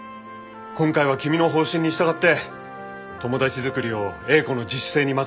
今回は君の方針に従って友達作りを英子の自主性に任せることにしよう。